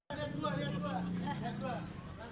lihat dua lihat dua